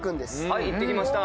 はい行ってきました。